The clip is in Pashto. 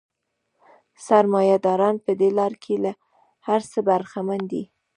سرمایه داران په دې لار کې له هر څه برخمن دي